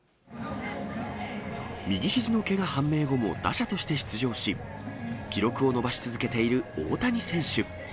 右ひじのけが判明後も打者として出場し、記録を伸ばし続けている大谷選手。